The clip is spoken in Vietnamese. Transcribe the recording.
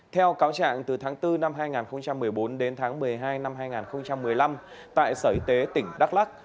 theo cáo trạng từ tháng bốn năm hai nghìn một mươi bốn đến tháng một mươi hai năm hai nghìn một mươi năm tại sở y tế tỉnh đắk lắc